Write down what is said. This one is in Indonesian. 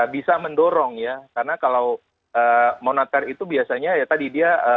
bisa mendorong ya karena kalau moneter itu biasanya ya tadi dia